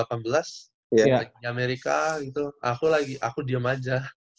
lagi amerika gitu aku lagi aku diem aja